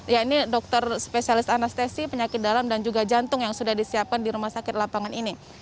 ya ini dokter spesialis anestesi penyakit dalam dan juga jantung yang sudah disiapkan di rumah sakit lapangan ini